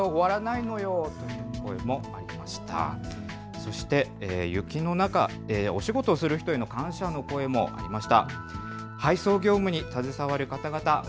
そして雪の中、お仕事をする人への感謝の声もありました。